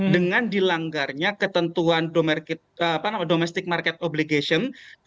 dengan dilanggarnya ketentuan domestic market obligation